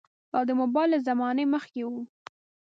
دا د موبایلونو له زمانې مخکې وو.